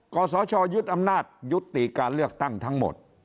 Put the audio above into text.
ศชยึดอำนาจยุติการเลือกตั้งทั้งหมด